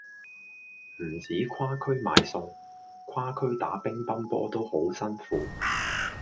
唔止跨區買餸，跨區打乒乓波都好辛苦